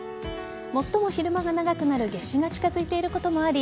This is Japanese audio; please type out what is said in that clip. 最も昼間が長くなる夏至が近づいていることもあり